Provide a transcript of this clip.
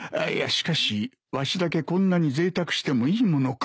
しかしわしだけこんなにぜいたくしてもいいものか。